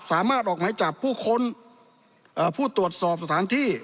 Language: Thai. สามารถออกหมายจับผู้ค้นผู้ตรวจสอบสถานที่